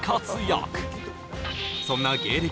そんな芸歴